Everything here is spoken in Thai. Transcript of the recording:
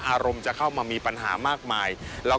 อารมณ์จะเข้ามามีปัญหามากมาย